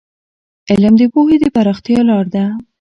علم د پوهې د پراختیا لار ده.